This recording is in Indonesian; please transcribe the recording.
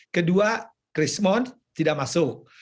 kedua kerismon tidak masuk